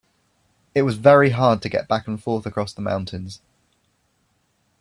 It was very hard to get back and forth across the mountains.